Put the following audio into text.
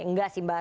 enggak sih mbak